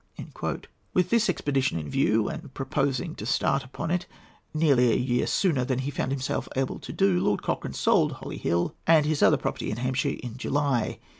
With this expedition in view, and purposing to start upon it nearly a year sooner than he found himself able to do, Lord Cochrane sold Holly Hill and his other property in Hampshire, in July.